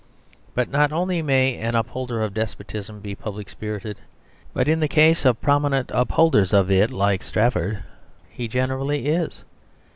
But not only may an upholder of despotism be public spirited, but in the case of prominent upholders of it like Strafford he generally is.